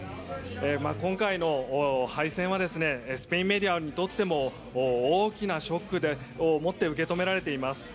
今回の敗戦はスペインメディアにとっても大きなショックを持って受け止められています。